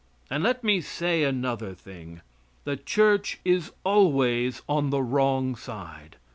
And let me say another thing: The church is always on the wrong side.